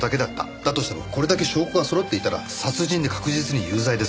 だとしてもこれだけ証拠が揃っていたら殺人で確実に有罪です。